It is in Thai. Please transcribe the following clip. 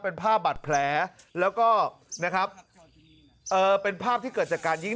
เป็นภาพบาดแผลแล้วก็นะครับเอ่อเป็นภาพที่เกิดจากการยิง